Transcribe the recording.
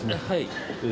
はい。